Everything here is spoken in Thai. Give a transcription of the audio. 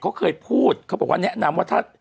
เขาเคยพูดเขาบอกว่าแนะนำว่าถ้า